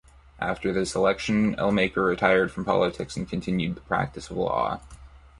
After this election, Ellmaker retired from politics and continued the practice of law.